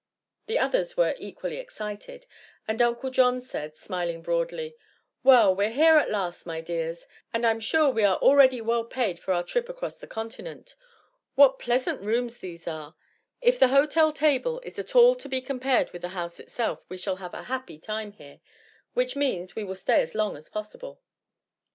The others were equally excited, and Uncle John said, smiling broadly: "Well, we're here at last, my dears, and I'm sure we are already well paid for our trip across the continent. What pleasant rooms these are. If the hotel table is at all to be compared with the house itself we shall have a happy time here, which means we will stay as long as possible."